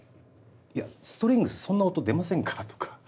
「いやストリングスそんな音出ませんから」とか。